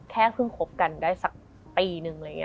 แค่เพิ่งคบกันได้สักปีหนึ่ง